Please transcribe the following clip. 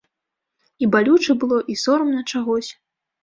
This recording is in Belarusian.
І балюча было, і сорамна чагось.